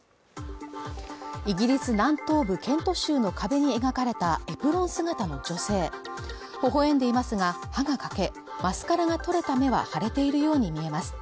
イギリス南東部ケント州の壁に描かれたエプロン姿の女性微笑んでいますが歯が欠けマスカラが取れた目は腫れているように見えます